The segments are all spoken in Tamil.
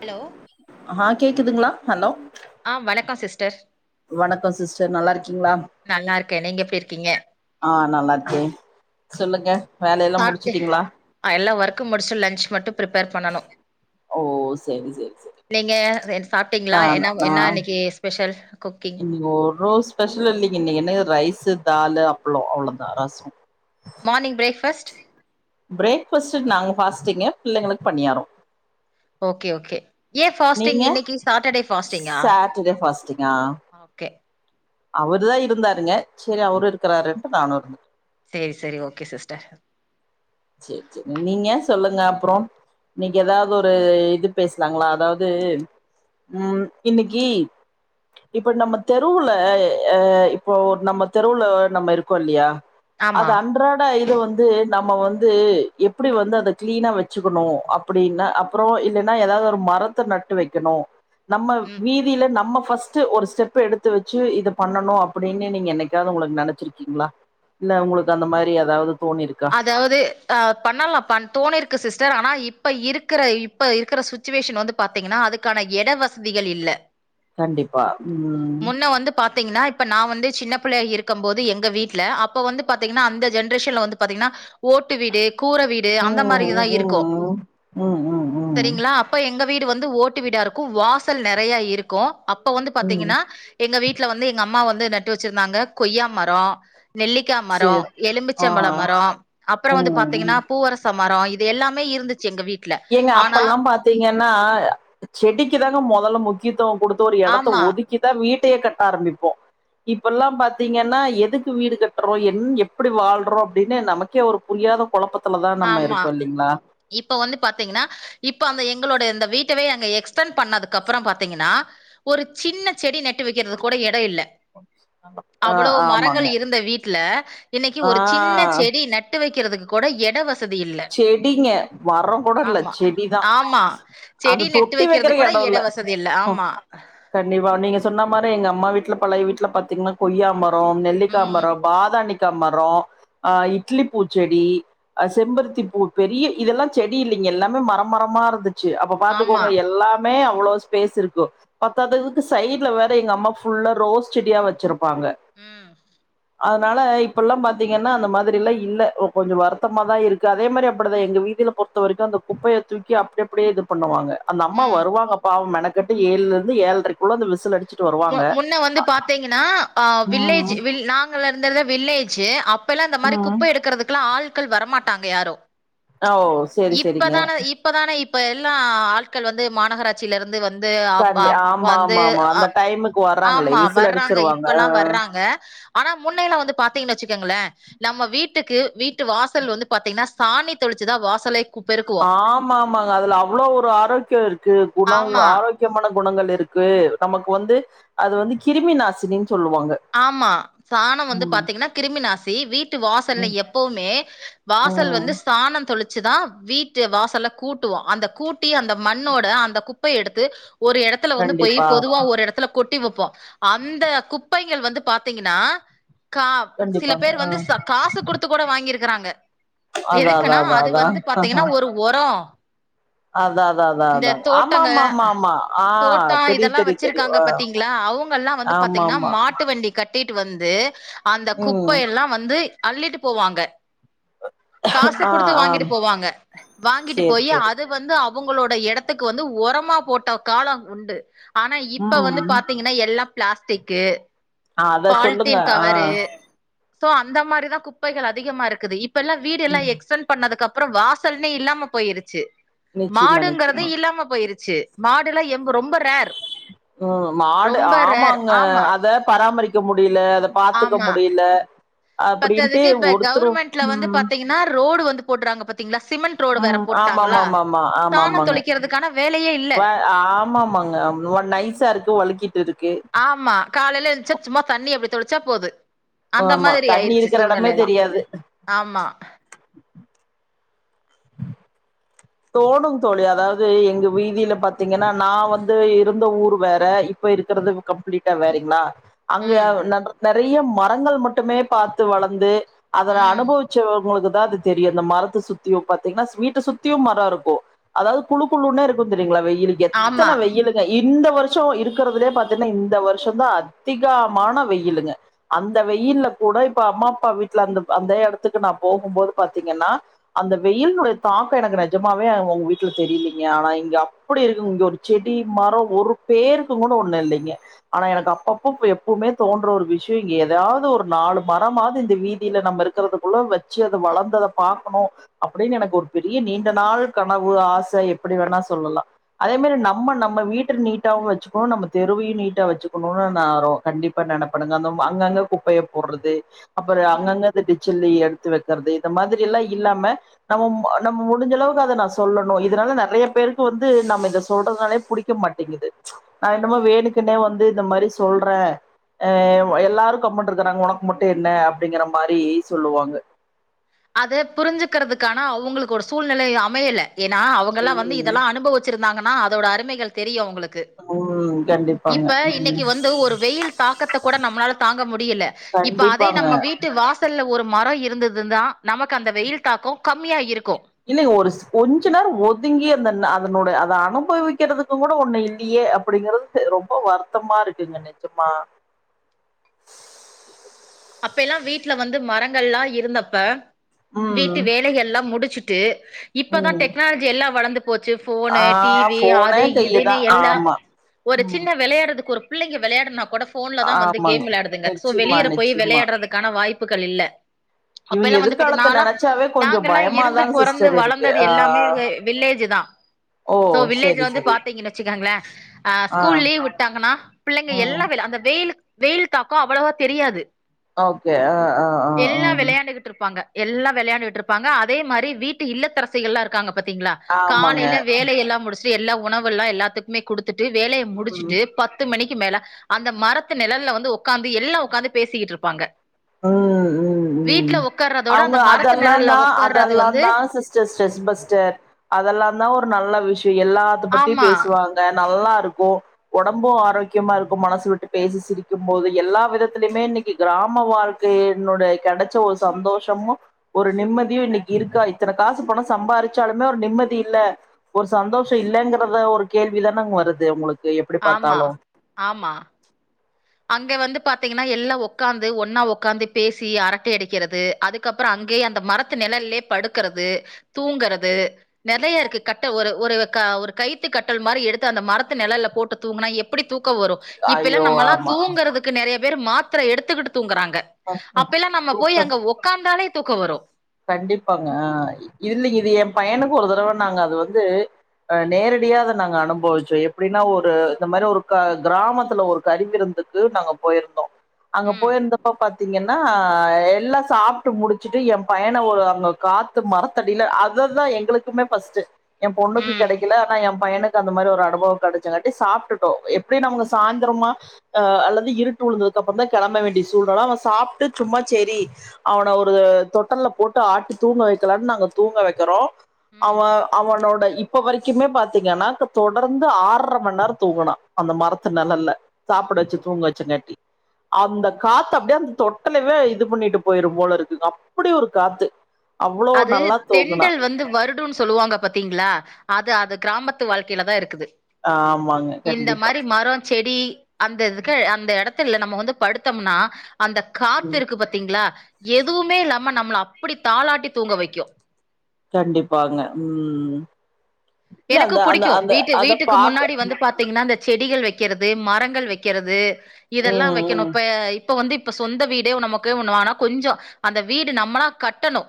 ஹலோ ஆ கேக்குதுங்ளா ஹலோ ஆ வணக்கோ சிஸ்டர் வணக்கோ சிஸ்டர் நல்லாருக்கிங்ளா நல்லா இருக்கே நீங்க எப்டி இருக்கீங்க ஆ நல்லார்க்கே சொல்லுங்க வேலையெல்லா சாப்ட்டே முடிச்சுட்டீங்களா அ எல்லா ஒர்க்க முடிச்டே லன்ச் மட்டு ப்ரிப்பேர் பண்ணனு ஓ செரி செரி செரி இல்லங்க சாப்டிங்ளா நான் என்னா என்னா இன்னைக்கு ஸ்பெஷல் குக்கிங் இங்க ஒரு ஸ்பெஷலு இல்லைங்க என்ன ரைஸு தாலு அப்ளோ அவ்ளோதா ரச மார்னி்ங் ப்ரேக்ஃபர்ஸ்ட் ப்ரேக்ஃபர்ஸ்ட் நாங்க ஃபாஸ்டிங்கு பிள்ளைங்களுக்கு பனியாரோ ஓகே ஓகே ஏ ஃபாஸ்டிங் நீங்க இன்னைக்கு சாட்டடே ஃபாஸ்ட்டிங்கா சாட்டர்டே ஃபாஸ்டிங்கா அ ஓகே அவருதா இருந்தாருங்க செரி அவரு இருக்கறாருனு நானு இருந்தே சேரி சேரி ஓகே சிஸ்டர் சேர் சேர் நீங்க சொல்லுங்க அப்ற இன்னைக்கு ஏதாவது ஒரு இது பேசுலாங்ளா அதாவது ம் இன்னிக்கி இப்ப நம்ம தெருவுல அ இப்போ நம்ம தெருவுல நம்ம இருக்கோ இல்லையா அது ஆமா அன்றாட இது வந்து நம்ம வந் து எப்டி வந்து அத க்ளீனா வச்சுக்கணு அப்டின்னு அப்ற இல்லன்னா ஏதாவது ஒரு மரத்த நட் டு வெக்கணு நம்ம ம் வீ தில நம்ம ஃபர்ஸ்ட்டு ஒரு ஸ்டெப் எடுத்து வச்சு இத பண்ணனு அப்டின்னு நீங்க என்னைக்காவது உங்களுக்கு நெனைச்சிருக்கிங்ளா இல்ல உங்களுக்கு அந்த மாரி ஏதாவது தோணிருக்கா அதாவது அ பண்ணலா ப தோணிருக்கு சிஸ்டர் ஆனா இப்ப இருக்கிற இப்ப இருக்கிற சுச் சுச்சுவேஷன் வந்து பாத்திங்கன்னா அதுக்கான எட வசதிகள் இல்ல கண்டிப்பா ம் பாத்திங்கன்னா இப்ப நா வந்து சின்ன பிள்ளையா இருக்கும் போது எங்க வீட்ல அப்ப வந்து பாத்திங்கன்னா அந்த ஜெனரேஷன்ல வந்து பாத்திங்னா ஓட்டு வீடு கூர வீடு அந்த ம், மாரிதா ம், இருக்கு ம். ம், ம், ம். சரிங்களா அப்ப எங்க வீடு வந்து ஓட்டு வீடா இருக் வாசல் நெறைய இருக்கு அப்ப வந்து ம். பாத்திங்கனா எங்க வீட்ல வந்து எங்க அம்மா வந்து நட்டு வச்சிருந்தாங்க கொய்யா மரோ நெல்லி க்கா மரோ சரி. ஆ. எலும்புச்சம்பழ மர அப்ற வந்து ம், பாத்திங்கன்னா ம். பூவரச மர இது எல்லாமே இருந்துச்சு எங்க வீட் ஏங்க அப்பல்லா பாத்திங்கன்னா செடிக்கு தாங்க மொதல்ல முக்கியத்துவ குடு ஒரு எடத்த ஆமா, ஒதுக்கிதா வீட்டையே கட்ட ஆரம்பிப்போ இப்பெல்லா பாத்திங்னா எதுக்கு வீடு கட்றோ என் எப்டி வாழ்றோ அப்டின்னு நமக்கே ஒரு புரியாத கொழப்பத்துலதா நம்ம ஆமா. இருக்கோ இல்லிங்ளா இப்ப வந்து பாத்திங்கன்னா இப்ப அந்த எங்களோட இந்த வீட்டவே அங்க எக்ஸ்டன் பண்ணதுக்கு அப்புற பாத்திங்கன்னா ஒரு சின்ன செடி நட்டு வக்கிறதுக்கு கூட எடோ இல்ல ஆமா அவ்ளோ மரங்கள் இருந்த வீட்ல இன்னைக்கு ஆ ஒரு சின்ன செடி நட் டு வைக்கிறதுக்கு கூட எடோ வசதி இல்ல செடிங்க மரம் கூடல்ல ஆமா செடிதா ஆமா செடி அத நெட்டு தொட்டி வைக்கிறது வைக்கற கூட எடோ எட இல்ல வசதி ஆமா கண்டிப்பா நீங்க சொன்னா மாரி எங்க அம்மா வீட்ல பழைய வீட்ல பாத்திங்னா கொய்யா மரம் நெல்லிக்கா ம் மரம் பாதா மரோ இட்லி பூச்செடி செம்பருத்தி பூ பெரிய இதெல்லா செடி இல்லைங்க எல்லாமே மரம்மரமா இருந்துச்சு அப்ப ஆமா பாத்துக்கோங்க எல்லா மே அவ்ளோ ஸ்பேஸ் இருக்கு பத்தாதுக்கு சைட்ல வேற எங்க அம்மா ஃபுல்லா ரோஸ் செடியா வச்சிருப் பாங்க ம் அதுனால இப்பெல்லா பாத்தீங்கன்னா அந்த மாதிரிலா இல்ல ஒ கொஞ்சோ வருத்தமா தா இருக்கு அதே மாதிரி அப்டிதா எங்க வீதியில பொறுத்தவரைக்கு அந்த குப்பைய தூக்கி அப்டி அப்டே இது பண்ணுவாங்க அந்த அம்மா ம் வருவாங்க அப் பாவோ மெனக்கட்டு ஏழு இருந்து ஏழ்ரைகுள்ள அந்த விசில் அடுச் முன்ன வந்து பாத்தீங்கனா ஆ வில்லேஜு ம், வி நாங்க இருந்தது வில்லேஜு அ பெல்லா இந்த மாரி ம். குப்ப எடுக்குறதுகெல்லா ஆள்கள் வரமாட்டாங்க யாரு ஓ! சரி, சரிங்க. இப்பதான இப் இப்பதான இப்ப எல்லா ஆள்கள் வந்து மாநகராட்சியில இருந்து வந்து அவ் கண்டி அ ஆமா, வந்து ஆமா, ஆமா. அ அந்த டைமுக்கு வர ஆமா வர்றாங்க இப்பெல்லா வர்றாங்க ஆனா முன்னெல்லா வந்து பாத்தீங்கனு வச்சுக்கங்ளே நம்ம வீட்டுக்கு வீட்டு வாசல் வந்து பாத்தீங்கனா சாணி தொளிச்சுதா வாசலே கு பெருக்குவோ ஆமா ஆமாங்க அதுல அவ்ளோ ஒரு ஆரோக்கியோ இருக்கு குணோ ஆமா ஆரோக் முக்கியமான குணங்கள் இருக்கு நமக்கு வந்து அது வந்து கிருமி நாசினினு சொல்லுவாங்க ஆமா சாணம் வந்து ம், பாத்தீங்னா கிருமி நாசி வீட்டு வாசல்ல ம், எப்பவுமே வாசல் ம். வந்து சாணோ தொளுச்சு தா வீட்டு வாசல கூட்டுவோ அந்த கூட்டி அந்த மண்ணோட அந்த குப்பைய எடுத்து ஒரு எடத் த்துல வந்து போய் கண்டிப்பா. பொதுவா ஒரு எடத்துல கொட்டி வப்போ அந்த குப்பைகள் வந்து பாத்தீங்கனா கா சில கண்டிப்பாங்க பேர் ஆ வந்து ச காசு குடுத்து கூட வாங்கிருக்குறாங்க அதா அதா எதுக்குன்னா அதா அது வந்து பாத்தீங்கனா ஒரு ஒரோ அத அத அதா அதா ஆமா ஆமா ஆமா ஆமா ஆ தெரி தெரி தெர் க்காங்க பத்தீங்ளா அவுங்கெல்லா வந்து பாத்தீங்கனா ஆமா மாட் ட்டு வண்டி கட்டிட்டு வந்து அந்த குப்ப ம் எல்லா வந்து அள்ளிட்டு போவாங்க காசு ஆ குடுத்து ஆ வாங்கிட்டு போவாங்க வாங்கிட்டு சேரி போயி சேரி அது வந்து அவுங்களோட எடத்துக்கு வந்து ஒரமா போட்ட காலோ உண்டு ஆனா இப்ப வந்து ம் பாத்தீங்க னா எல்லா பிளாஸ்டிக்கு அத சொல்லுங்க பால்த்தீன் ஆ கவரு சோ அந்த மாரிதா குப்பைகள் அதிகமா இருக்குது இப்பெல்லா வீடு எல்லா ம் எக்ஸ்பென் பண்ணதுக்கு அப்பறோ வாசல்னே இல்லாம போயிருச்சு நிச்சயமா மாடுங்கறதே நிச்சயமா இல்லாம போயிருச்சு மாடுல்லா எம் ரொம்ப ரேர் ரொம்ப ரேர் அ ஆமா அத பராமரிக்க முடியல அத பாத்துக்க ஆமா முடியல அப்டின்டு ஒருத்துரு ஆனா ரோடு வந்து போட்றாங்க பாத்தீங்ளா சிமெண் ட் ரோடு வேற ம் போட்டாங்களா ஆமாமாமாமா சாணோ ஆமாமாங்க தொளிக்கிறதுகான வேலயே இல்ல வ ஆமாமாங்க அவ்ளோவா நைஸா இருக்கு வழுக்கிட்டு இருக்கு ஆமா காலைல எழுஞ்சா சும்மா தண்ணி அப்டி தொளுச்சா போது அந்த ஆமா மாதிரி தண்ணி ஆயிருச்சு இருக்கிற எடமே சூழ்நெலையெல்லா தெரியாது ஆமா தோணுந்தோழி அதாவது எங்க வீதியில பாத்தீங்கனா நா வந்து இருந்த ஊர் வேற இப்ப இருக்றது கம்ப்ளீட்டா வேறிங்ளா அங்க ம் அ ப நெ நெறைய மரங்கள் மட்டுமே பாத்து வளந்து அதன ம் அனுபவுச்சவங்களுக்கு தா அது தெரியு அந்த மரத்த சுத்தியு பாத்தீங்கனா வீட்ட சுத் தியு மரோ இருக்கு அதாவது குழுக்குழுனேருக்கு தெரியுங்ளா வெயிலுக்கு ஆமா எத்தன வெயிலு இந்த வர்ஷோ இருக்கறதுலயே பாத்தீங்கனா இந்த வர்ஷோ தா அதிகாமான வெயிலுங்க அந்த வெயில்ல கூட இப்ப அம்மா அப்பா வீட்ல அந்த அந்த எடத்துக்கு நா போகும்போது பாத்தீங்கனா அந்த வெயில்னுடைய தாக் கோ எனக்கு நெஜமாவே அங் உங் வீட்ல தெரிலீங்க ஆனா இங்க அப்டி இருக்கு இங்க ஒரு செடி மரோ ஒரு பேருக்கு கூட ஒண்ணு இல்லிங்க ஆனா எனக்கு அப்பப்போ எப்பவுமே தோன்ற ஒரு விஷ்யோ எதாவது ஒரு நாலு மரமாவது இந்த வீதில நம்ம இருக் இறக்குறதுகுள்ள வச்சு அது வளந்தத பாக்கணு அப்டினு எனக்கு ஒரு பெரிய நீண்ட நாள் கனவு ஆச எப்டி வேணா சொல்லலா அதே மாரி நம்ம நம்ம வீட்ட நீட்டாவு வச்சுக்கணு நம்ம தெருவையு நீட்டா வச்சுக்கனுன்னு நா ரொ கண்டிப் ப்ப நெனப்பனுங்க அந்த அங்கங்க குப்பைய போட்றது அப்றோ ம் அங்கங்க த டிச்சல்லி எடுத்து வக்கற்து இந்த மாதிரியெல்லா இல்லாம நம்ம நம்ம முடிஞ்சளவுக்கு அத நா சொல்லணு இதுனால நெறையா பேருக்கு வந்து நம்ம இத சொல்றதுனாலே புடிக்க மாட்டேங்குது நா என்னமோ வேணுக்குனே வந்து இந்த மாரி சொல்றே அ எல்லாரு கம்முன்ட் இருக்குறாங்க ஒனக்கு மட்டு என்ன அப்டிங்கிற மாரி சொல்லுவாங்க அத புரிஞ்சுக்குறதுக்கான அவுங்களுக்கு ஒரு சூழ்நிலை அமையல ஏனா அவுங்களா வந்து ம். இதெல்லா அனுபவுச் சிருந்தாங்கனா அதோட அருமைகள் தெரியு அவுங்களுக்கு ம் கண்டிப்பாங்க இப்ப ம். இன்னக்கி வந்து ஒரு வெயில் தாக்கத்த கூட நம்மளால தாங்க முடியல இப்ப அதே கண்டிப்பாங்க நம்ம வீட்டு வாஸ் சல்ல ஒரு மரோ இருந்தது தா நமக்கு அந்த வெயில் தாக்கோ கம்மியா இருக்கு இல்லங்க ஒருஸ் கொஞ்ச நேர ஒதுங்கி அந்தன்ன அதனோட அத அனுபவிக்கிறதுக்கு கூட ஒண்ணு இல்லியே அப் அப்டிங்கிறது ரொம்ப வருத்தமா இருக்குங்க நிஜமா அப்ப எல்லா வீட்ல வந்து மரங்கல்லா இருந்தப்ப ம் வீட்டு வேலையெல்லா முடிச்சுட்டு இப்பதா ம் டெக்னாலஜி எல்லா வளந்துப் போச்சு ஆ ஃபோனு டிவி போனே அது இதுனு கையதான் எல்லா ஆமா ஒரு ம் சின்ன வெளையாட்றதுக்கு ஒருப் புள்ளைங்க வெளையாடுனா கூட ஃபோன்ல தா வந்து ஆமாங்க கேம் வெளையாடுதுங்க சோ நிச்சயமா வெளியறப் போய் நிச்சயமா வெளையாட்றதுக்கான வாய்ப்புகள் இல்ல அப்ப இவங்க எல்லா வந்து பாத்தீங் எதிர்காலத்த நாலா நெனச்சாவே கொஞ்சோ நாங்க எல்லா இருந்து பயமாதாங்க பொறந்து சிஸ்டர் இருக்கு வளந்தது ஆ எல்லாமே வெ வில்லேஜு தா ஓ சோ வில்லேஜ் செரி வந்து செரி பாத்தீங்கன் வச்சுக்கங்ளே அ ஆ ஸ்கூல் லீவ் விட்டாங்கனா பிள்ளைங்க ம் எல்லாம் வே அந்த வெயிலு வெயில் தாக்கோ அவ்வளவா தெரியாது ஓகே ஆ ஆ அ எல்லா வெளையாண்டுக்கிட்ருப்பாங்க எல்லா வெளையாண்டுக்கிட்ருப்பாங்க அதே மாரி வீட்டு இல்லத்தரசிகல்லா இருக்காங்க பாத்தீங்ளா ஆமாங்க காலையில வேலையெல்லா முடிச்சுட்டு எல்லா உணவு எல்லா எல்லாத்துக்குமே குடுத்துட்டு வேலைய ம் முடிச்சுட்டு பத்து மணிக்கு மேல அந்த மரத்து நிழல்ல வந்து உக்காந்து எல்லா உக்காந்து பேசிக்கிட்ருப்பாங்க உக்கார்றதோட அவுங்க அந்த மரத்து அதல்லா நிழல்ல தா உக்கார்றது அதல்லா வந்து தா சிஸ் ஸ்டர் ஸ்ட்ரெஸ் பஸ்டர் அதெல்லா தா ஒரு நல்ல விஷ்யோ எல்லாத்த பத்தியு ஆமா பேசுவாங் ங்க நல்லாருக்கு ஒடம்பு ஆரோக்கியமாருக்கு மனசு விட்டு பேசி சிரிக்கு போது எல்லா விதத்துலயுமே இன்னக்கி க்ராம வாழ்க் க்கு என்னுடைய கெடச்ச ஒரு சந்தோஷமு ஒரு நிம்மதியு இன்னிக்கி இருக்கா இத்தன காசு பணோ சம்பாரிச்சாலுமே ஒரு நிம்மதி இல்ல ஒரு சந்தோஷோ இல்லேங்கிறத ஒரு கேள்விதானங் வருது உங்களுக் ஆமா ஆமா அங்க வந்து பாத்தீங்கன்னா எல்லா ஒக்காந்து ஒன்னா ஒக்காந்து பேசி அரட்ட அடிக்கிறது அதுக் கப்பறோ அங்கேயே அந்த மரத்து நெழல்லயே படுக்குறது தூங்குறது நெறையா இருக்கு கட்ட ஒரு ஒரு க ஒரு கைத்து கட்டல் மாரி எடுத்து அந்த மரத்து நெழல்ல போட்டு தூங்குனா எப் எப்டி தூக்கோ வரு இப்பெல்லா ஐயோ நம்மலா ஆமா க்குறதுக்கு நெறையா பேர் மாத்தர எடுத்துக்குட்டு தூங்குறாங்க அப்பெல்லா நம்ம தூக்க போய் அங்க ஒக் க்காந்தாலே தூக்கோ வரு கண்டிப்பாங்க ஆ இல்லிங்க இது ஏ பையனுக்கு ஒரு தடவ நாங்க அது வந்து ஆ நேரடியா அத நாங்க அனுபவிச்சோ எப்டின்னா ஒரு இந்த மாரி ஒரு க க்ராமத்துல ஒரு கரி விருந்து து நாங்க போயிருந்தோ அங்க ம், போயிருந்தப்ப பாத்தீங்கன்னா எல்லா சாப்ட்டு முடிச்சுட்டு ஏ பயண ஒரு அங்க காத்து மரத்தடியில அதுதா எங்களுக்குமே ஃபஸ்ட்டு ஏ பொண்ணுக்கு ம், கெடைக்கல ஆனா ஏ பையனுக்கு அந் அந்த மாரி ஒரு அனுபவோ கெடச்சங்காட்டி சாப்ட்டுட்டோ எப்டி நமக்கு சாயினந்த ரோறமா அ அல்லது இருட்டு உழுந்ததுகப்பறந்தா கெளம்ப வேண்டிய சூழ்நல அவே சாப்ட்டு சும்மா செரி அவன ஒரு தொட்டல்ல போட்டு ஆட்டி தூங்க வக்கலான்னு நாங்க தூங்க வெக்கிறோ ம். அவன் அவனோட இப்ப வரைக்குமே பாத்தீங்கன்னா தொ தொடர்ந்து ஆர்ற மண்நேரோ தூங்குனா அந்த மரத்து நெழல்ல சாப்ட வச்சு தூங்க வச்சுங்காட்டி அந்த காத்து அப்டியே அந்த தொட்டலவே இது பண்ணிட்டு போயிரும் போல இருக்குங்க அப் ப்டி ஒரு காத்து அவ்ளோ அது நல்லா தூங்குனா தென்றல் வந்து வருடுன் சொல்லுவாங்க பாத்தீங்களா அது அது கிராமத்து வாழ்க்கைலதா இருக்குது ஆமாங்க கண்டிப்பா மரொ செடி அந்த இதுக்கு அந்த எடத்துல நம்ம வந்து படுத்தொம்னா அந்த ம் காத்துருக்கு பாத்தீங்களா எதுவுமே இல்லாம நம்மள அப்டி தாலாட்டி தூங்க வைக்கு கண்டிப்பாங்க ம் இல்ல எனக்கு அந்த அந்த அந்த அத பாக்க தீங்கன்னா இந்த செடிகள் வெக்கறது மரங்கள் வெக்கறது ம் இதெல்லா வெக்கணு ம் ப இப்ப வந்து இப்ப சொந்த வீடே நமக்கு ஒன்னு வாங்னா கொஞ்சோ அந்த வீடு நம்மளா கட்டணு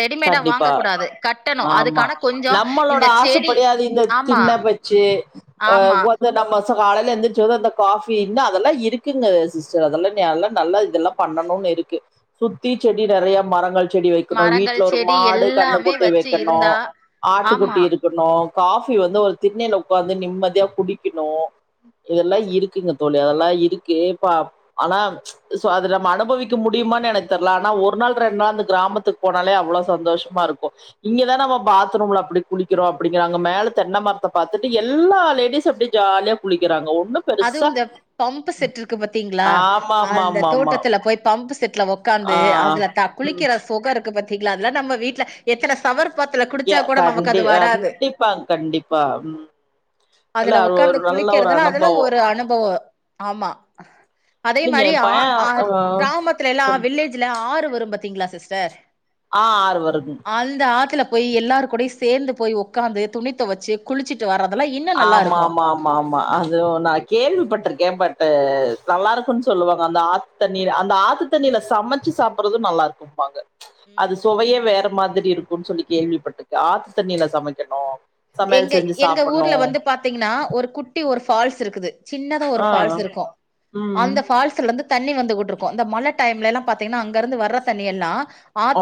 ரெடிமேடா வாங்க கண்டிப்பா கூடாது கட்டணு அதுக்கான கொஞ்சோ இந்த செடி கது இந்த ஆமா திண்ண வச்சு ஆ ஆமா ஒ இந்த நம்ம ச காலைல எந்திரிச்சோன அந்த காஃபின்னா அதெல்லா இருக்குங்க சிஸ்டர் அதெல்லா நைலா நல்ல இதெல்லா பண்ணணுன் இருக்கு சுத்தி செடி நெறைய மரங்கள் செடி வைக்கணு வீட் மரங்கள் ஒரு செடி மாடு கன்னு எல்லாமே குட்டி வச்சு வெக்கணு இருந்தா ஆட்டு ஆமா குட்டி இருக் க்குனு காஃபி வந்து ஒரு திண்ணைல ஒக்காந்து நிம்மதியா குடிக்குணு இதெல்லா இருக்குங்க தோழி அதெல்லா இருக்கு இப்ப அப் ஆனா சோ அது நம்ம அனுபவிக்க முடியமானு எனக்கு தெர்ல ஆனா ஒரு நாள் ரெண்டு நாள் அந்த கிராமத்துக்கு போன னாலே அவ்ளோ சந்தோஷமாருக்கு இங்கதா நம்ம பாத்ரூம்ல அப்டி குளிக்கிறோ அப்டிங்கராங்க மேல தென்ன மரத்த பாத்துட்டு எல்லா லேடிஸு அப்டி ஜாலியா குளிக்கறாங்க ஒன்னும் அதுவு இந்த பம்பு செட் ருக்கு பாத்திங்களா அந்த ஆமாமாமாமா தோட்டத்துல போய் பம்பு செட்ல ஒக் ஆ காந்து அதுல தா ம் குளிக்கிற சொகொ இருக்கு பாத்திங்களா அதுலா நம்ம வீட்ல எத்தன சவர் ஃபாத்ல எ குடிச்சா கூட நமக்கு கண்டி அது வராது கண்டிப்பாங் கண்டிப்பா ம் இல்ல அதுல அது ஒக்காந்து ஒரு நல்ல ஒரு குளிக்கறதலா அதெல்லா அனுபவோ ஒரு அனுபவொ ஆமா அதே இல்லைங்க மாரி எ ஆ பைய ஆ கிராமத்துலெல்லா சொல் வில்லேஜ்ல ஆறு வரும் பாத்தீங்களா சிஸ்டர் ஆ ஆறு வருதுங் அந்த ஆத்துல போய் எல்லாரு கூடையு சேந்து போய் ஒக்காந்து துணி தொவச்சு குளிச்சு ட்டு வர்றதுல்லா இப் ஆமாமாம் மாமா அது நா கேள்விப்பட்டிருக்கே பட்டு நல்லா இருக்குன் சொல்லுவாங்க அந்த ஆத் தண்ணீரு அந்த ஆத்து தண்ணில சமைச்சு சாப்படுறது நல்லா இருக்கும்பாங்க அது சுவையே வேற மாதிரி இருக்குன்னு சொல்லி கேள்விப்பட்டிருக்கே ஆத்து தண்ணில சமைக்கணு சமையல் எங்க செஞ்சு எங்க சாப்பிடணு. ஊர்ல வந்து பாத்தீங்கன்னா ஒரு குட்டி ஒரு ஃபால்ஸ் இருக்குது சின்னதா ஒரு ஆ ஃபால்ஸ் இருக்கு ம் அந்த ஃபால்ஸ்லந்து தண்ணி வந்துக்குட்டுருக்கு இந்த மழ டைம்லல்லா பாத்தீங்ன்னா அங்க இருந்து வர்ற தண்ணி எல்லா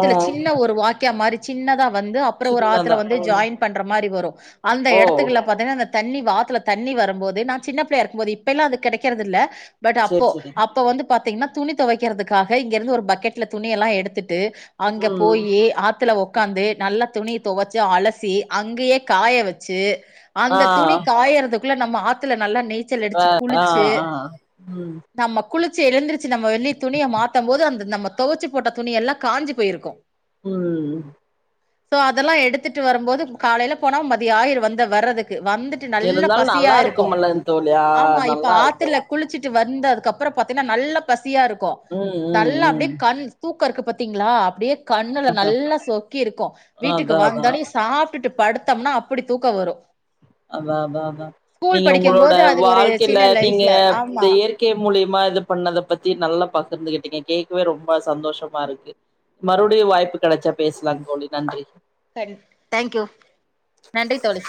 ஓ சின்ன ஒரு வாக்கியா மாரி சின்னதா வந்து அப்பறோ ஒரு ஆத்துல சின்னதா வந்து ம் ஜாயின் பண்ற மாரி வரு அந்த ஓ எடத்துக்குள பாத்தென்னா அந்த தண்ணி வாத்துல தண்ணி வரும் போதே நா சின்னப் புள்ளயா இருக்கும்போது இப்ப எல்லா அது கெடைக்கிறதுல்ல பட் சரி அப்போ சரிங்க. அப்போ வந்து பாத்தீங்ன்னா துணி தொவைக்கிறதுக்காக இங்க இருந்து ஒரு பக்கெட்ல துணி எல்லா எடுத்துட்டு அங்க ம் போயி ஆத்துல உக்காந்து நல்ல துணி தொவச்சு அலசி அங்கேயே காய வச்சு ஆ அந்த துணி காயறதுக்குள்ள நம்ம ஆத்துல நல்லா நீ ச்சலடிச்சு ஆ குளிச்சு ஆ ம் நம்ம குளிச்சு எழுந்திருச்சு நம்ம வெளி துணிய மாத்தம் போது அந்த நம்ம தொவச்சு போட்ட துணி எல்லா காஞ்சி போயிருக்கு ம் சோ அதெல்லா எடுத்துட்டு வரம்போது காலையில போனா மதிய ஆயிரு வந்த வர்றதுக்கு வந்துட் ட்டு நல்ல இருந்தாலு பசியா நல்லா இருக்கு இருக்கும்ல தோழி ஆ ஆமா இப்ப நல்லா இருக்கு. ஆத்துல குளிச்சிட்டு வந்து அதுக்கப்பறோ பாத்தீகன்னா நல்லா பசியாருக்கு ம் ம் நல்லா ம் அப்டியே கண் தூக்கருக்கு பாத்தீங்களா அப்டியே கண்ணுல நல்லா சொக்கி இருக்கு வீட்டுக்கு அதா அதா வந்தோனே சாப் டுட்டு படுத்தம்னா அப்டி தூக்கோ வரு அதா அதா அதா ஸ்கூல் நீங்க படிக்கும் உங்களோட போது அது ஒரு வாழ்க்கையில சின்ன நீங்க லைஃப்ல இந்த ஆமா இயற் க்கே மூலியமா இத பண்ணதப் பத்தி நல்லா பகிர்ந்துக்கிட்டிங்க கேக்வே ரொம்ப சந்தோஷமா இருக்கு மறுவுடியு வாய்ப்பு கெடச்சா பேசலா தோழி நன்றி தேங்க்யூ நன்றி தோழி